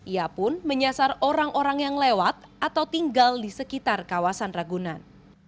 ia pun menyasar orang orang yang lewat atau tinggal di sekitar kawasan ragunan